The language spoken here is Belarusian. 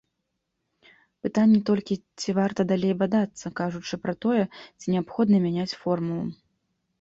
Пытанне толькі, ці варта далей бадацца, кажучы пра тое, ці неабходна мяняць формулу.